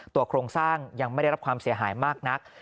โครงสร้างยังไม่ได้รับความเสียหายมากนัก